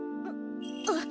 あっ。